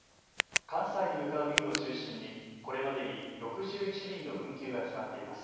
関西に向かう便を中心に、これまでに６１便の運休が決まっています。